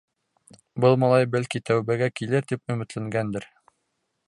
Был малай, бәлки, тәүбәгә килер тип өмөтләнгәндер.